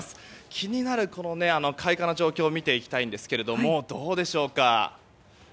気になる開花の状況を見ていきたいんですがどうでしょうか？